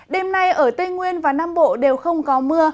đêm nay ở tây nguyên và nam bộ đều không có mưa